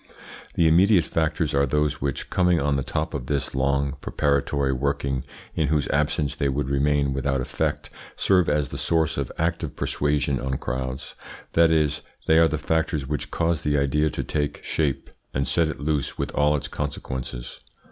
The immediate factors are those which, coming on the top of this long, preparatory working, in whose absence they would remain without effect, serve as the source of active persuasion on crowds; that is, they are the factors which cause the idea to take shape and set it loose with all its consequences.